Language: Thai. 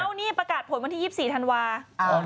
นี่ประกาศผลวันที่๒๔ธันวาคม